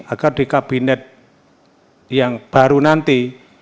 agar di kabinet yang baru nanti